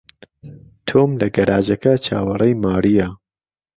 تۆم لە گەراجەکە چاوەڕێی مارییە.